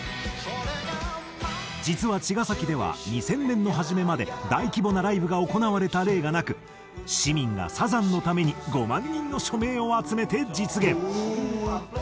実は茅ヶ崎では２０００年の初めまで大規模なライブが行われた例がなく市民がサザンのために５万人の署名を集めて実現。